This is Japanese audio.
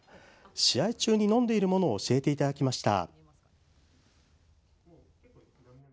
試合中に飲んでいるものを教えていただきました。